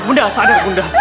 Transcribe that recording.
bunda sadar bunda